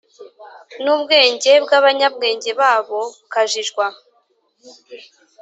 n’ubwenge bw’abanyabwenge babo bukajijwa.»